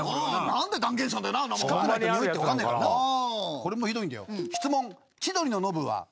これもひどいんだよ。